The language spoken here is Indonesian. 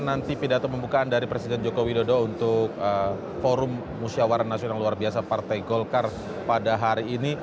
nanti pidato pembukaan dari presiden joko widodo untuk forum musyawara nasional luar biasa partai golkar pada hari ini